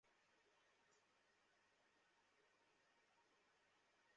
Double খুনের charge আপনার স্বামীর উপর।